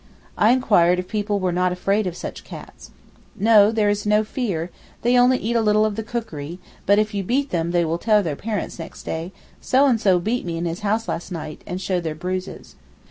I inquired if people were not afraid of such cats. 'No, there is no fear, they only eat a little of the cookery, but if you beat them they will tell their parents next day, "So and so beat me in his house last night," and show their bruises.